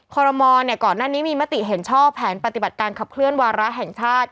คอรมอลก่อนหน้านี้มีมติเห็นชอบแผนปฏิบัติการขับเคลื่อนวาระแห่งชาติ